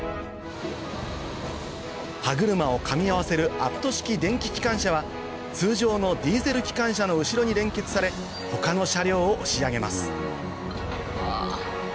歯車をかみ合わせるアプト式電気機関車は通常のディーゼル機関車の後ろに連結され他の車両を押し上げます